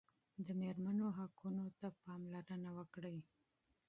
د مېرمنو حقوقو ته پاملرنه وکړئ.